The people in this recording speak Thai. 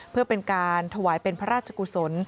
เพื่อเป็นการถวายเป็นพระราชกุศล